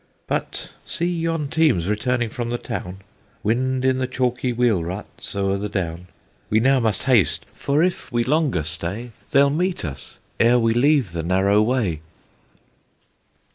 But see yon teams returning from the town, Wind in the chalky wheel ruts o'er the down: We now must haste; for if we longer stay, They'll meet us ere we leave the narrow way.